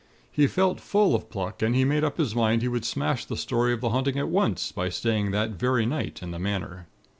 He felt full of pluck, and he made up his mind he would smash the story of the haunting, at once by staying that very night, in the Manor.